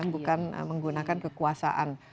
bukan menggunakan kekuasaan